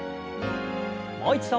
もう一度。